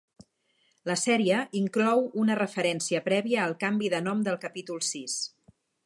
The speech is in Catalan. La sèrie inclou una referència prèvia al canvi de nom del capítol sis.